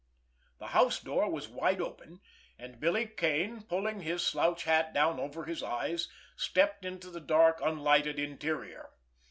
The house door was wide open, and Billy Kane, pulling his slouch hat down over his eyes, stepped into the dark unlighted interior.